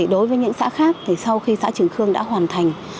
đối với những xã khác thì sau khi xã trường khương đã hoàn thành